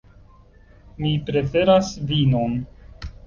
Mi preferas vinon.